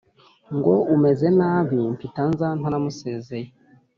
ngo umeze nabi mpitanza ntanamusezeye.".